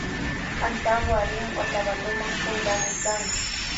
Antawu rin otavaloma juntamikan.